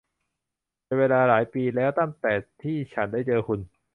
เป็นเวลาหลายปีแล้วตั้งแต่ที่ฉันได้เจอคุณ !